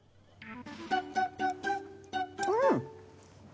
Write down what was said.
うん！